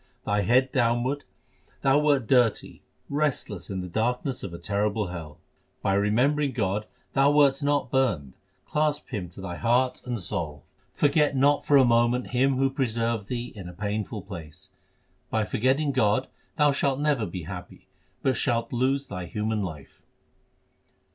Thy head downwards, thou wert dirty, restless in the darkness of a terrible hell. By remembering God thou wert not burned ; clasp Him to thy heart and soul. B b 2 372 THE SIKH RELIGION Forget not for a moment Him who preserved thee in a painful place. By forgetting God thou shalt never be happy, but shalt lose thy human life.